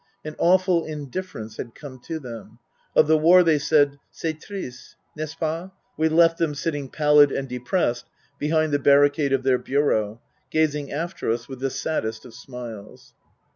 An awful indifference had come to them. Of the war they said, " C'est triste, n'est ce pas ?" We left them, sitting pallid and depressed behind the barricade of their bureau, gazing after us with the saddest of smiles.